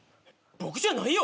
僕じゃないよ！